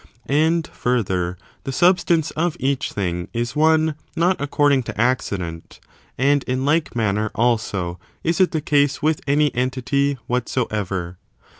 And, further, the substance of each thing is one not according to accident ; and in like manner, also, is it the case with any entity whatsoever.